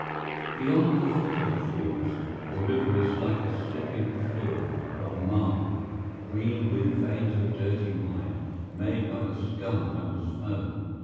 Beyond the foot of the Falls the river is like a slipping floor of marble, green with veins of dirty white, made by the scum that was foam.